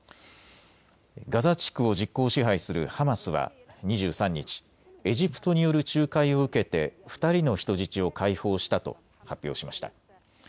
ガザ地区を実効支配するハマスは２３日、エジプトによる仲介を受けて２人の人質を解放したと発表しました。